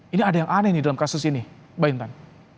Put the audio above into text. ini ada yang aneh nih dalam kasus ini mbak intan